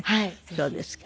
そうですか。